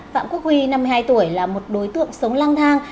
phạm quốc huy năm mươi hai tuổi là một đối tượng sống lang thang